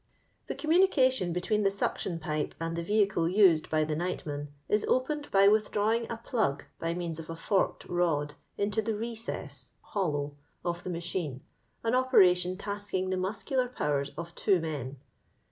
The communication between the suctioa pipe and the vehide used by the nightmen if opened by withdrawing a plug by means of t forked rod into the " recess " (hollow) of the machine, an operation tasking the mnseo lar powers of two men.